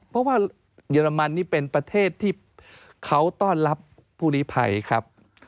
เพราะว่าเยอรมันนี่เป็นประเทศที่เขาต้อนรับผู้ลิภัยครับ